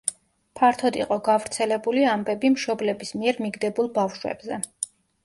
ფართოდ იყო გავრცელებული ამბები მშობლების მიერ მიგდებულ ბავშვებზე.